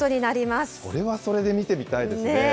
それはそれで見てみたいです